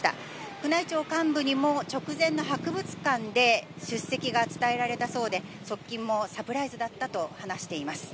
宮内庁幹部にも、直前の博物館で出席が伝えられたそうで、側近もサプライズだったと話しています。